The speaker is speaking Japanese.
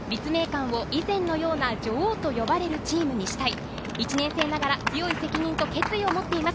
自分のいる４年間で立命館を以前のような女王と呼ばれるチームにしたい。